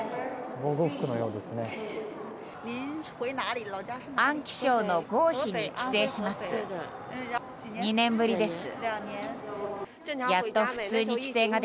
防護服のようですね。